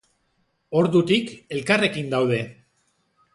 Ordutik, elkarrekin daude.